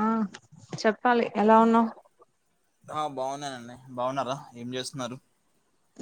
ఆ చెప్పాలి, ఎలా ఉన్నావు? ఆ బాగున్నానండి. బావున్నారా, ఏం చేస్తున్నారు?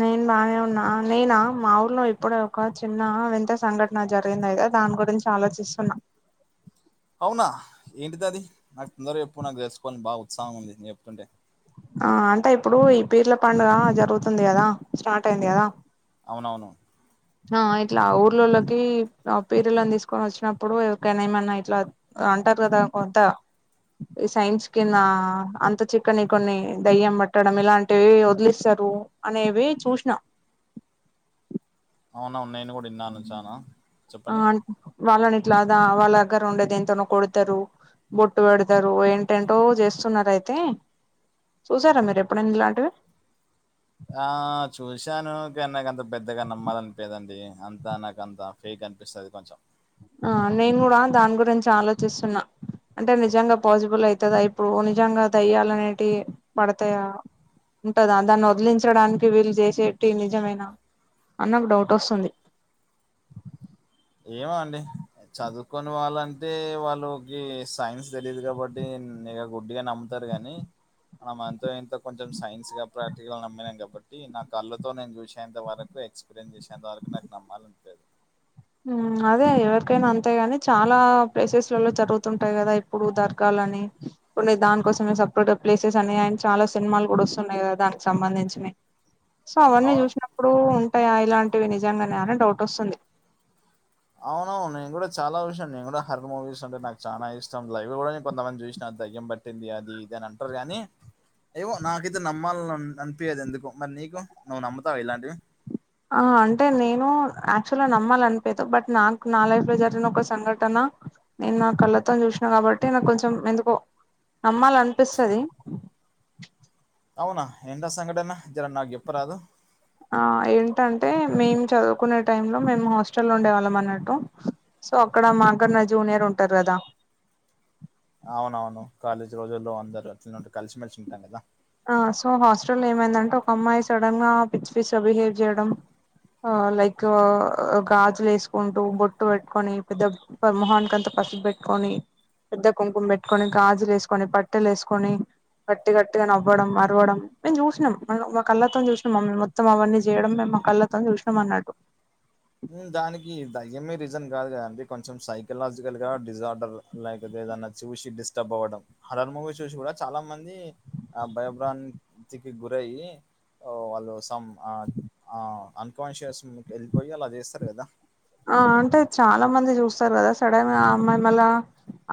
నేను బానే ఉన్నా. ఆ నేనా మా ఊర్లో ఇప్పుడు ఒక చిన్నా వింత సంఘ టనా జరిగింది అయితే దాని గురించి ఆలోచిస్తున్నా. అవునా ఏంటిది అది. నాకు తొందర చెప్పు నాకు తెలుసుకోవాలని బాగా ఉత్సాహం ఉంది నువ్వు చెప్తుంటే. ఆ అంటే ఇప్పుడు ఈ పీర్ల పండగ జరుగుతుంది కదా, స్టార్ట్ అయింది కదా. అవునవును. ఆ ఇట్లా ఊర్లోలకి ఆ పీరులని తీసుకొని వచ్చినప్పుడు ఎవరికైనా ఏమన్నా ఇట్లా అంటరు కదా కొంత ఈ సైన్స్కి నా అంతు చిక్కని కొన్ని దెయ్యం పట్టడం ఇలాంటివి వదిలిస్తరు. అనేవి చూశినా. అవునవును నేను కూడా ఇన్నాను చానా. ఆ చెప్పండి వాళ్ళని ఇట్లా దా వాళ్ళ దగ్గర ఉండే దేనితోనో కొడతరు. బొట్టు పెడతరు, ఏంటేంటో చేస్తున్నరు అయితే చూసారా మీరు ఎప్పుడైన ఇలాంటివి. ఆ చూశాను కానీ నాకు అంత పెద్దగా నమ్మాలనిపియదండి అంతా నాకంతా ఫేక్ అనిపిస్తది కొంచెం. ఆ నేను కూడా దాని గురించే ఆలోచిస్తున్నా అంటే నిజంగా పాసిబుల్ అయితదా ఇప్పుడు నిజంగా దయ్యాలు అనేటియి పడతాయా ఉంటదా దాన్ని వదిలించడానికి వీళ్ళు చేసేటివి నిజమేనా అని నాకు డౌట్ వస్తుంది. ఏమో అండి. చదువుకొని వాళ్ళంటే వాళ్ళకి సైన్స్ తెలియదు కాబట్టి ఇగ గుడ్డిగా నమ్ము తరు కాని. మనం అంతో ఇంతో కొంచెం సైన్స్ గా ప్రాక్టికల్ నమ్మినం కాబట్టి నా కళ్ళతో నేను చూశేంత వర కు ఎక్స్పీరియన్స్ చేసేంత వరకు నాకు నమ్మాలనిపియదు. అదే ఎవరికైనా అంతే గాని చాలా ప్లేసెస్లలో జరుగుతుంటది కదా ఇప్పుడు దర్గాలని కొన్ని దానికోసమే సపరేట్గా ప్లేసెస్ అని ఆయన చాలా సినిమాలు కూడా వస్తున్నాయి కదా దానికి సంబంధించినయి. సో అవన్నీ అవును చూశినప్పుడు ఉంటాయ ఇలాంటివి నిజంగనే అని డౌట్ వస్తుంది. అవునవును నేను కూడా చాలా చూశిన, నేను కూడా హార్రర్ మూవీస్ అంటే నాకు చానా ఇష్టం. లైవ్గా కూడా నేను కొంతమంది చూశిన దెయ్యం బట్ పట్టింది అది ఇది అని అంటరు గానీ ఏమో నాకైతే నమ్మాలని అని అనిపియదు ఎందుకో. మరి నీకు నువ్వు నమ్ముతవ ఇలాంటివి? ఆ అంటే నేను యాక్చువల్గా నమ్మాలనిపియదు బట్ నాకు నా లైఫ్లో జరిగిన ఒక సంఘటన నేను నా కళ్ళతోని చూశినా కాబట్టి నాకు కొంచెం ఎందుకో నమ్మాలనిపిస్తది. అవునా ఎంటి ఆ సంఘటన జరా నాకు చెప్పరాదు. ఆ ఏంటంటే మేము చదువుకునే టైం లో మేము హాస్టల్లో ఉండేవాళ్ళం అన్నట్టు. సో అక్కడ మా కన్న జూనియర్ ఉంటరు గదా అవునవును కాలేజీ రోజుల్లో అందరు అట్లనే ఉంటరు కలిశిమెలిశి ఉంటాం కదా. ఆ సో హాస్టల్లో ఏమైందంటే ఒక అమ్మాయి సడన్గా పిచ్చి పిచ్చిగా బిహేవ్ చేయడం ఆ లైక్ గాజులు ఎసుకుంటూ, బొట్టు పెట్టుకొని, పెద్ద మొహానికంతా పసుపు బెట్టుకొని పెద్ద కుంకుమ పెట్టుకొని, గాజులు ఎసుకొని, పట్టీలు ఏసుకొని గట్టి గట్టిగా నవ్వు ఇవ్వడం అరవడం మేము చూసినాం మ మా కళ్ళతో చూసినాం మొత్తం అవన్నీ చేయడం మేము మా కళ్ళతో చూసినాం అన్నట్టు దానికి దయ్యమే రీజన్ కాదు కదండి కొంచెం సైకలాజికల్ గా డిజార్డర్ లైక్దేదన్నా చూసి డిస్టర్బ్ అవ్వడం హారర్ మూవీ చూసి కూడా చాలా మంది ఆ భయబ్రాంతికి గురాయ్యి వాళ్ళు సమ్ అ అ అన్కాన్షియస్కి వెళ్ళిపోయి అలా చేస్తారు కదా. ఆ అంటే చాలా మంది చూస్తారు కదా సడన్ గా అమ్మాయిని అలా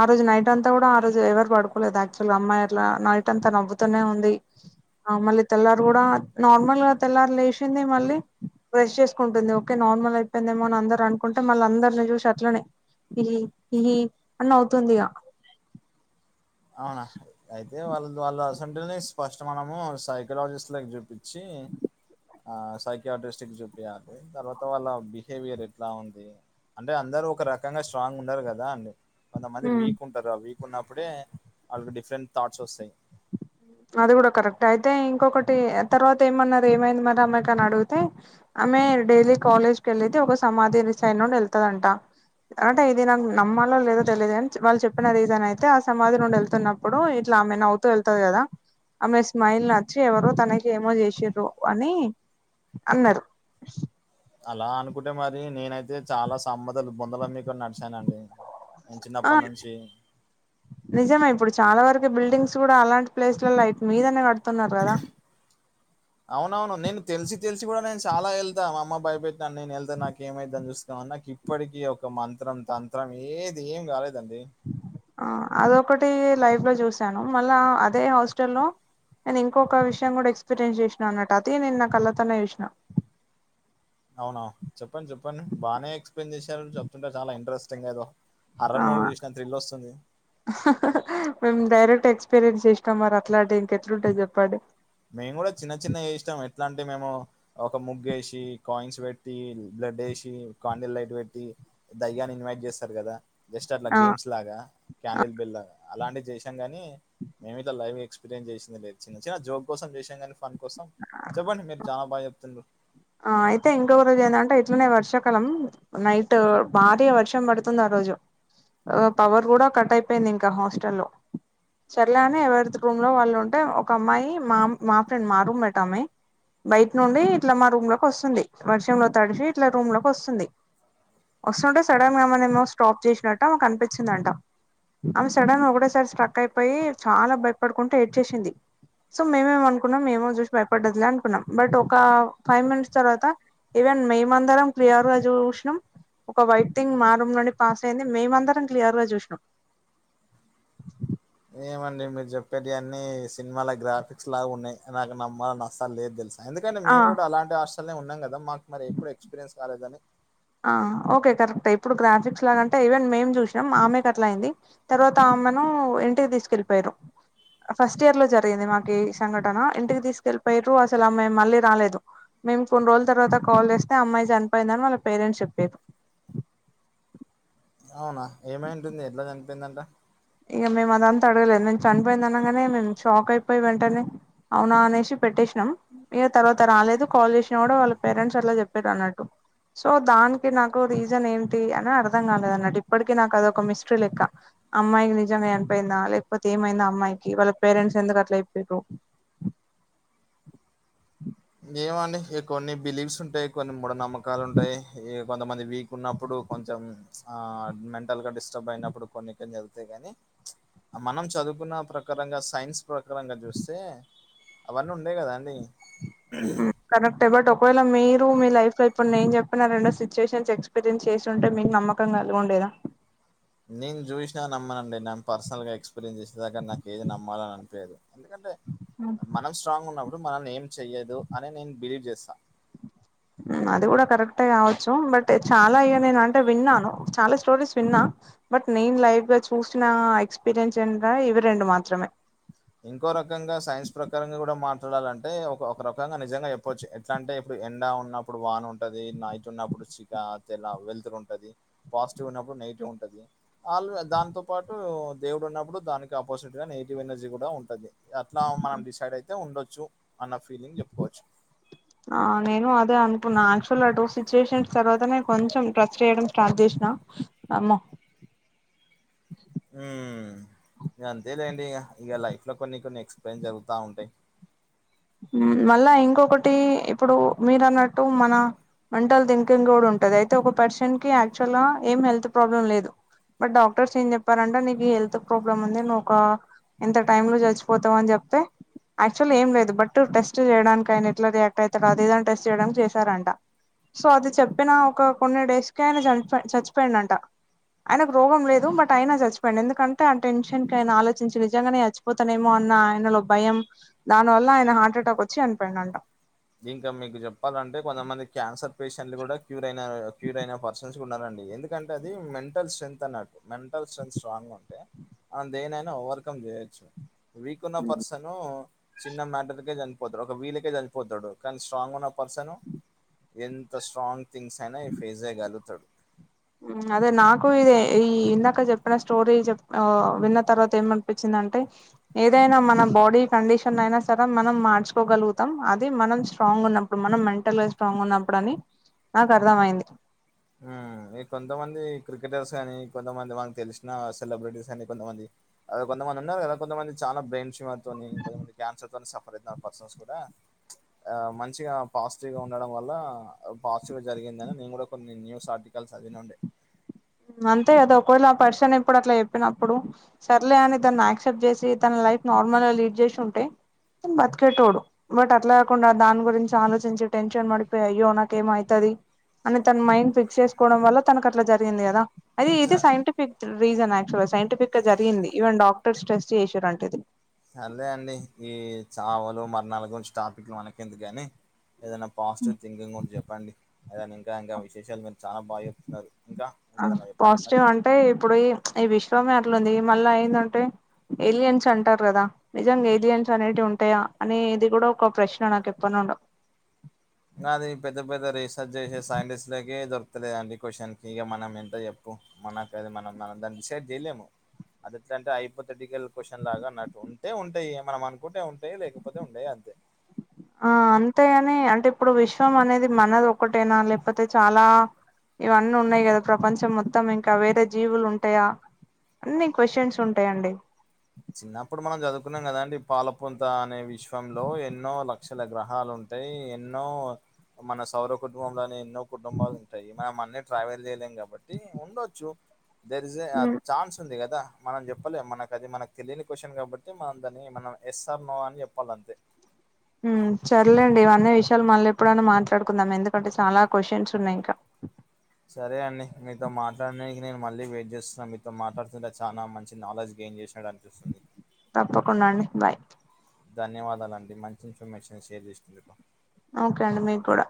ఆ రోజు నైట్ అంతా కూడా ఆ రోజు ఎవరు పడుకోలేదు యాక్చువల్ గా అమ్మాయి అట్లా నైట్ అంతా నవ్వుతూనే ఉంది ఆ మళ్ళ తెల్లారి గూడా నార్మల్గా తెల్లారి లేచింది మళ్ళీ బ్రష్ చేసుకుంటుంది ఓకే నార్మల్ అయిపోయిదేమో అందర్ అనుకుంటే మళ్ళ అందరిని చూసి అట్లనే ఇహి ఇహి అని నవ్వుతుంది ఇగా అవునా అయితే వాళ్ళ వాళ్ళ అసంటలని స్పష్ట మనము సైకలాజిస్ట్ లాకి చూపించి ఆ సైకాడ్రీస్టిక్ కి చూపియాలే తర్వాత వాళ్ళ బిహేవియర్ ఎట్లా ఉంది అంటే అందరూ ఒక రకంగా స్ట్రాంగ్ ఉన్నారు కదా అండి. కొంతమంది ఇగ వీక్ ఉంటారు ఆ వీక్ ఉన్నప్పుడే వాళ్ళకి డిఫరెంట్ థాట్స్ వస్తాయి. అది కూడా కరెక్ట్ అయితే ఇంకొకటి తర్వాత ఏమన్నారు ఏమైంది మరి ఆమె కాని అడిగితే ఆమె డైలీ కాలేజ్ కి వెళ్ళితే ఒక సమాధి సైడ్ నుండి వెళ్తాదంట అంటే ఇది నాకు నమ్మాలో లేదో తెలియదు గాని వాళ్ళు చెప్పిన రీజన్ అయితే ఆ సమాధి నుండి వెళ్తున్నాం ప్పుడు ఇట్లా ఆమె నవ్వుతూ వెళ్తాది గదా ఆమె స్మైల్ నచ్చి ఎవరో తనకి ఏమో చేసిన్రు అని అన్నరు అలా అనుకుంటే మరి నేనైతే చాలా సంబధలు భోందాళ్లి కూడా నడిచానండి. నేన్ ఆ చిన్నప్పటి నుంచి నిజమే ఇప్పుడు చాలా వరకు బిల్డింగ్స్ కూడా అలాంటి ప్లేస్లలో మీదనే కడుతున్నారు గదా. అవునవును నేను తెలిసి తెలిసి కూడా నేను చాలా వెళ్తా మా అమ్మ భయపేట్టిది నేను వెళ్తాను నాకు ఏమయితదిని చూసుకుందామని నాకు ఇప్పటికీ ఒక మంత్రం తంత్రం ఏది ఏం కాలేదండి. ఆ అదొకటి లైఫ్ లో చూశాను మళ్ళా అదే హాస్టల్ లో నేను ఇంకొక విషయం కూడా ఎక్స్పీరియన్స్ చేసినా అన్నట్టు అది నేను నా కళ్ళతోనే చూసిన అవునా చెప్పండి చెప్పండి బానే ఎక్స్ప్లెయిన్ చేశారు చెప్తుంటే చాలా ఇంట్రెస్టింగ్ ఏదో హారర్ ఆ మూవీ చేసినా థ్రిల్ వస్తుంది. మేము డైరెక్ట్ ఎక్స్పీరియన్స్ చేసినం మరి అట్లా అంటే ఇంకెట్లుంటది చెప్పండి. మేము కూడా చిన్న చిన్నవి చుసినం ఎట్లా అంటే మేము ఒక ముగ్ వేసి కాయిన్స్ పెట్టి, బ్లడ్ వేసి, కాండల్ లైట్ పెట్టి దయ్యాని ఇన్వైట్ చేస్తారు కదా జస్ట్ అట్లా ఆ గేమ్స్ లాగా ఆ క్యాండిల్ బిల్ అలాంటివి చేసాం కానీ మేము ఇట్లా లైవ్ ఎక్స్పీరియన్స్ చేసింది లేదు చిన్న చిన్న జోగ్ కోసం చేసాం కానీ ఫన్ కోసం చెప్పండి మీరు చానా బాగా చెప్తుంరు. ఆ అయితే ఇంకొక రోజు ఏందంటే ఇట్లనే వర్షాకాలం నైట్ భారీ గా వర్షం పడుతుంది ఆ రోజు పవర్ కూడా కట్ అయిపోయింది ఇంకా హాస్టల్ల్లో సర్లే అని ఎవరి రూమ్ లో వాళ్ళు ఉంటే ఒక అమ్మాయి మా మా ఫ్రెండ్ మా రూమ్మేట్ ఆమె బయట నుండి ఇట్లా మా రూమ్ లోకి వస్తుంది వర్షంలో తడిచి ఇట్లా రూమ్ లోకి వస్తుంది. వస్తుంటే సడన్ గా మేము స్టాప్ చేసినట్టు ఆమెకు అనిపించిందంట. ఆమె సడన్ గా ఒకోసారి స్ట్రక్ అయిపోయి చానా భయపడుకుంటు ఏడ్చేసింది. సో మేమేం అనుకున్నాం ఏమో చూసి భయపడ్డదిలే అనుకున్నాం బట్ ఒక ఫైవ్ మినిట్స్ తర్వాత ఈవెన్ మేమందరం క్లియర్ గా జూసినం ఒక వైట్ థింగ్ మా రూమ్ నుండి పాస్ అయింది మేమందరం క్లియర్ గా చూసినం ఏమండి మీరు చెప్పేటియన్నీ సినిమాల గ్రాఫిక్స్ లాగ ఉన్నయ్ నాకు నమ్మాలని అస్సల్ లేదు తెలుసా ఎందుకంటే ఆ మేము కూడా అలాంటి హాస్టల్నే ఉన్నాం కదా మాకు మరి ఎప్పుడు ఎక్స్పీరియన్స్ కాలేదని ఆ ఓకే కరెక్టే ఇప్పుడు గ్రాఫిక్స్ లాగ అంటే ఈవెన్ మేం చూసినం ఆమెకట్ల అయ్యింది తర్వాత ఆమనూ ఇంటికి తీసుకెళ్ళిపోయారు ఫస్ట్ ఇయర్ లో జరిగింది మాకీ సంఘటన ఇంటికి తీస్కెళ్ళిపోయిరు అస్సలు ఆమె మళ్ళీ రాలేదు మేము కొన్ని రోజుల తర్వాత కాల్ చేస్తే అమ్మాయి చనిపోయిందని వాళ్ళ పేరెంట్స్ చెప్పిర్ అవునా ఏమైయుంటుంది ఎట్ల చనిపోయిందంట ఇక మేమదంతా అడగలే మేము చనిపోయింది అనంగనే మేము షాక్ అయిపోయి వెంటనే ఔనా అనేసి పెట్టేష్నం ఇగ తర్వాత రాలేదు కాల్ జేస్నా గూడా వాళ్ళ పేరెంట్స్ అట్ల చెప్పిరన్నట్టు సో దాన్కి నాకు రీజన్ ఏంటి అని అర్థం కాలేదు అన్నట్టు ఇప్పటికీ నాకు అదొక మిస్ట్రీ లెక్క అమ్మాయి నిజంగా చనిపోయిందా లేక్పోతే ఏమైందా అమ్మాయికి వాళ్ళ పేరెంట్స్ ఎందుకు అట్ల చెప్పిర్రూ ఏమో అండి కొన్ని బిలీవ్స్ ఉంటయ్ కొన్ని మూఢ నమ్మకాలుంటై ఈగ్ కొంతమంది వీకున్నప్పుడు కొంచెం ఆ మెంటల్గా డిస్టర్బైనప్పుడు కొన్ని కొన్ని జరుగుతై గానీ మనం చదువుకున్నా ప్రకారంగా సైన్స్ ప్రకారంగా జూస్తే అవన్నుండై గదా అండి కరెక్టే బట్ ఒకవేళ మీరూ మీ లైఫ్ లో ఇప్పుడు నేను జెప్పిన రెండో సిచ్యువేషన్స్ ఎక్స్ పిరిన్స్ చేసుంటే మీకు నమ్మకం గలిగుండేదా నేను జూష్న నమ్మనండి నేన్ పర్సనల్గా ఎక్స్పీరియన్స్ చేసే దాక నాకు ఏది నమ్మాలననిపియ్యదు ఎందుకంటే మనం స్ట్రాంగున్నప్పుడు మనల్నేం చెయ్యదు అని నేను బిలీవ్ చేస్తా ఉ అది కూడా కరెక్టే కావచ్చు బట్ చాలా ఇగ నేను అంటే విన్నాను చాలా స్టోరీస్ విన్నా బట్ నేను లైవ్ గా చూసినా ఎక్స్పీరియన్స్ ఏంట ఇవి రెండు మాత్రమే ఇంకో రకంగా సైన్స్ ప్రకారంగా కూడా మాట్లాడాలంటే ఒక ఒక రకంగా నిజంగా చెప్పొచ్చు ఎట్ ఎట్లంటే ఇప్పుడు ఎండా ఉన్నప్పుడు వానుంటది నైట్ ఉన్నప్పుడు చికా తెల వెళ్తురుంటది పాజిటివ్ వున్నప్పుడు నెగిటివ్ ఉంటది ఆల్వే దాంతో పాటూ దేవుడు ఉన్నప్పుడు దానికి ఆపోజిట్ గా నెగిటివ్ ఎనర్జి ర్జీ గూడా ఉంటది అట్లా మనం డిసైడ్ అయితే ఉండొచ్చు అన్న ఫీలింగ్ చెప్పుకోవచ్చు ఆ నేను అదే అనుకున్నా యాక్చువల్గా ఆ టూ సిచ్యువేషన్స్ తర్వాత నే కొంచెం ట్రస్ట్ చేయడం స్టార్ట్ జేష్నా అమ్మా ఊ అంతేలేండి ఇగ ఇగ లైఫ్ లో కొన్ని కొన్ని ఎక్స్పీరియన్ జరుగుతా ఉంటయ్ మళ్ళా ఇంకొకటీ ఇప్పుడూ మీరన్నట్టు మనా మెంటల్ థింకింగ్ గూడుంటది అయితే ఒక పర్సన్కి యాక్చువల్గా ఏం హెల్త్ ప్రాబ్లం లేదు బట్ డాక్టర్స్ ఏం చెప్పారంటే నీకీ హెల్త్ ప్రాబ్లమ్ ఉంది నువ్వొకా ఇంత టైమ్ లో చచ్చిపోతావని చెప్తే యాక్చువల్ ఏం లేదు బట్ టు టెస్ట్ చేయడాన్కి ఆయన ఎట్ల రియాక్ట్ అయితడో అదీ ఇదని టెస్ట్ చేయడానికి చేశారంట సో అది చెప్పినా ఒక కొన్ని డేస్కే ఆయన చనిపో చచ్చిపోయిండంట ఆయనకి రోగం లేదు బట్ అయిన చచ్చిపోయిండు ఎందుకంటే ఆ టెన్షన్కి ఆయన ఆలోచించి నిజంగనే చచ్చిపో పోతనేమో అన్న ఆయనలో భయం దాని వల్ల ఆయన హార్ట్ అటాక్ వచ్చి చనిపోయిడంట ఇంకా మీకు చెప్పాలంటే కొంతమంది క్యాన్సర్ పేషెంట్లు కూడా క్యూరైనారు క్యూరైన పర్సన్ సున్నారండి ఎందుకంటే అది మెంటల్ స్ట్రెంత్ అన్నట్టు మెంటల్ స్ట్రెంత్ స్ట్రాంగ్ ఉంటే మనం దేన్నైనా ఓవర్కమ్ చేయొచ్చు వీకున్న పర్సనూ చిన్న మ్యాటర్కే చనిపోతరు ఒక వీల్లకే చని పోతడు. కానీ స్ట్రాంగ్ ఉన్న పర్సను ఎంత స్ట్రాంగ్ థింగ్స్ అయినా ఈ ఫేస్ చేయ్యగలుగుతాడు. మ్ అదే నాకు ఇదే ఈ ఇందాక చెప్పిన స్టోరీ చెప్ ఆ విన్న తర్వాత ఏమన్పించిందంటే, ఏదైనా మన బాడీ కండిషన్నైనా సరే మనం మార్చుకోగలుగుతాం. అది మనం స్ట్రాంగ్ ఉన్న ప్పుడు మనం మెంటల్గా స్ట్రాంగ్ ఉన్నప్పుడు అని నాకు అర్థమైంది. హుమ్ ఈ కొంతమంది క్రికెటర్స్ గానీ కొంతమంది, వానికి తెలిసిన సెలబ్రిటీస్ అని కొంతమంది అదే కొంతమంది ఉన్నారు గదా కొంతమంది చాలా బ్రయిన్షిమ్మరుతోని కొంతమంది క్యాన్సర్ తోని సఫర్ అయితున్న పర్సన్స్ కూడా ఆ మంచిగా పాజిటివ్ గా ఉండడం వల్ల, పాజిటివ్ గా జరిగిందని నేను కూడా, కొన్ని న్యూస్ ఆర్టికల్స్ చదివినుండే. మ్ అంతే కదా ఒకవేళ ఆ పర్సన్ ఇప్పుడు అట్ల చెప్పినప్పుడు, సర్లే అని దాన్ని యాక్సెప్ట్ చేసి, తన లైఫ్ నార్మల్ గ లీడ్ చేషి ఉంటే, తను బతికేటోడు. బట్ అట్ల కాకుండా, దాని గురించి ఆలోచించి, టెన్షన్ పడిపోయి, అయ్యో నాకేమో అయితది అని తన మైండ్ ఫిక్స్ చేసుకోవడం వల్ల తనకు అట్ల జరిగింది గదా! అది స ఇది సైంటిఫిక్ రీజన్ యాక్చువల్గ సైంటిఫిక్గా జరిగింది ఈవెన్ డాక్టర్స్ ట్రేస్ట్ చేషిరంట ఇది. సరలే అండి, ఈ చావలు, మరణాల గురించి టాపిక్లు మనకెందుకు గానీ ఏదన్న పాజిటివ్ థింకింగ్ గురించి చెప్పండి. ఏదన్న ఇంకా ఇంకా విశేషాలు మీరు చానా బాగా చెప్తున్నారు ఇంకా ఆ ఇంకేదైనా జెప్పండి మరి? పాజిటివ్ అంటే ఇప్పుడు ఇ ఈ విశ్వమే అట్లుంది. మళ్ళ ఎందంటే, ఎలియన్స్ అంటారు కదా! నిజంగ ఏలియన్స్ అనేటివి ఉంటయా? అనేది గూడ ఒక ప్రశ్న నాకు ఎప్పడ్నుండొ. ఇంగ అది పెద్ద పెద్ద రీసర్చ్ చేసే సైంటిస్టలకే దొరుకుతలేదండి ఈ క్వశ్చన్ కి ఇగ మనం ఎంత చెప్పు. మనకది మనం మనం దాన్ని డిసైడ్ చేయలేము. అది ఎట్లంటే హైపోథేటికల్ క్వశ్చన్ లాగా అన్నట్టు ఉంటే ఉంటయి, మనం అనుకుంటే ఉంటయి, లేకపోతే ఉండయి అంతె. ఆ అంతేగాని అంటే ఇప్పుడు విశ్వం అనేది మనది ఒకటేనా లేపోతే చాలా ఇవన్నీ ఉన్నాయి గదా ప్రపంచం మొత్తం ఇంకా వేరే జీవులు ఉంటయా? అన్నీ క్వశ్చన్స్ ఉంటయండి. చిన్నప్పుడు మనం చదువుకున్నాం కదండీ! పాలపొంత అనే విశ్వంలో ఎన్నో లక్షల గ్రహాలు ఉన్ టయి ఎన్నో మన సౌర కుటుంబంలోని ఎన్నో కుటుంబాలు ఉంటాయి. మనం అన్ని ట్రావెల్ చేయలేం కాబట్టి ఉండొచ్చు. There is a uh chance ఉంది గదా! మనం చెప్పలేం మనకు అది మనక్ తెలియని క్వశ్చన్ కాబట్టి, మనం దాన్ని మనం ఎస్ ఆర్ నో అని చెప్పాలి అంతే. మ్ సర్లేండి ఇవన్నీ విషయాలు మళ్ళీ ఎప్పుడైన మాట్లాడుకుందాం. ఎందుకంటే, చాలా క్వశ్చన్స్ ఉన్నాయి ఇంకా. సరే అండి మీతో మాట్లాడనికి నేను మళ్ళీ వెయిట్ చేస్తాన్. మీతో మాట్లాడుతుంటే చానా మంచి నాలెడ్జ్ గెయిన్ చేషినట్ అని పిస్తుంది. తప్పకుండా అండి బాయ్. ధన్యవాదాలండి. మంచి ఇన్ఫర్మేషన్ షేర్ చేసినందుకు. ఓకే అండి మీకు గూడ.